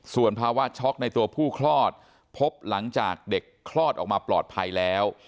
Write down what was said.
ส่วนภาวะช็อกในตัวผู้คลอดพบหลังจากเด็กคลอดออกมาปลอดภัยแล้ว